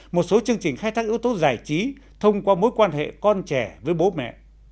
một số chương trình khai thác ưu tố giải trí thông qua mối quan hệ con trẻ với bố mẹ